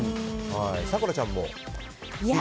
咲楽ちゃんもＢ。